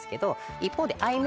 一方で。